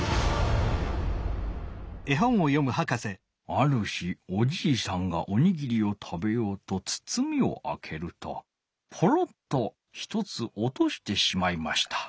「ある日おじいさんがおにぎりを食べようとつつみをあけるとポロッとひとつおとしてしまいました。